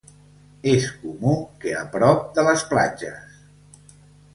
És comú que a prop de les platges.